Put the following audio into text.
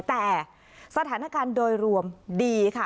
แต่สถานการณ์โดยรวมดีค่ะ